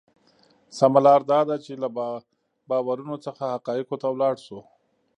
سمه لار دا ده چې له باورونو څخه حقایقو ته لاړ شو.